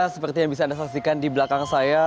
seperti yang bisa anda saksikan di belakang saya